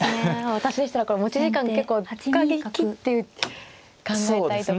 私でしたら持ち時間結構使い切って考えたいところで。